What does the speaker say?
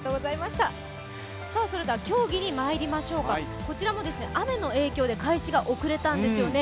競技にまいりましょうか、こちらの雨の影響で開始が遅れたんですよね。